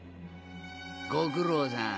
ご苦労さん。